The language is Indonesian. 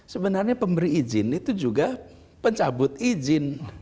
sebenarnya pemberi izin itu juga pencabut izin